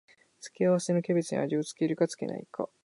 付け合わせのキャベツに味を付けるか付けないか